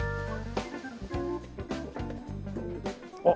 あっ！